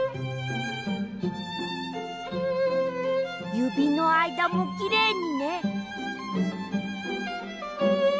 ゆびのあいだもきれいにね。